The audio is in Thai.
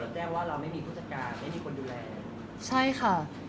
เราแจ้งว่าเราไม่มีผู้จัดการไม่มีคนดูแล